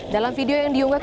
dalam video yang diunggah